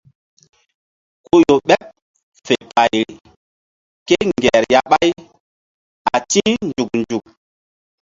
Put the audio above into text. Ku ƴo ɓeɓ fe payri kéŋger ya ɓáy a ti̧h nzuk nzuk.